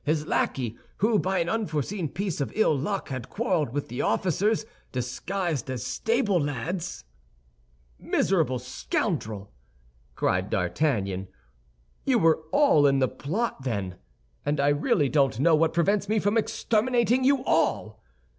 His lackey, who, by an unforeseen piece of ill luck, had quarreled with the officers, disguised as stable lads—" "Miserable scoundrel!" cried D'Artagnan, "you were all in the plot, then! And I really don't know what prevents me from exterminating you all."